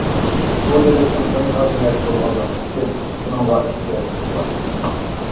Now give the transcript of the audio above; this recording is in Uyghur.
بۇ دۆلەتنىڭ دېڭىز ئارمىيەسى بولغانلىقى ئۈچۈن ئۇنىڭغا ئېھتىياجىمىز بار.